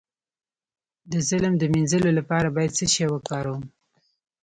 د ظلم د مینځلو لپاره باید څه شی وکاروم؟